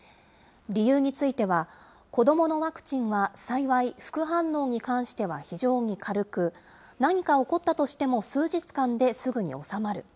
理由については、子どものワクチンは幸い、副反応に関しては非常に軽く、何か起ったとしても数日間ですぐに収まる。